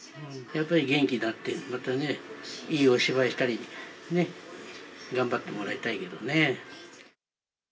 やっぱり元気になって、またね、いいお芝居したり、頑張ってもらいたいけどね。